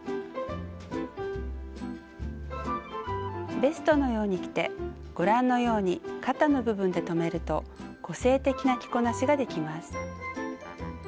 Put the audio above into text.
ベストのように着てご覧のように肩の部分で留めると個性的な着こなしができます。